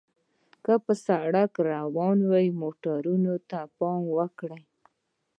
که پر سړک روانو موټرو ته پام وکړئ.